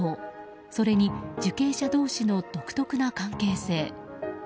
それに受刑者同士の独特な関係性。